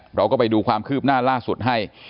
เราก็ไปดูความคืบหน้าล่าสุดให้